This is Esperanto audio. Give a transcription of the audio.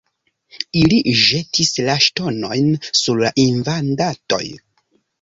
Ili ĵetis la ŝtonojn sur la invadantoj.